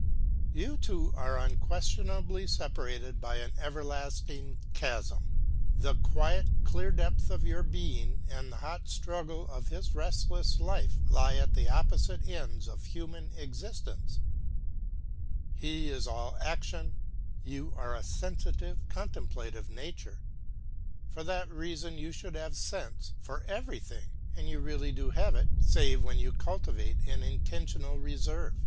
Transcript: You two are unquestionably separated by an everlasting chasm. The quiet, clear depth of your being and the hot struggle of his restless life lie at the opposite ends of human existence. He is all action, you are a sensitive, contemplative nature. For that reason you should have sense for everything, and you really do have it, save when you cultivate an intentional reserve.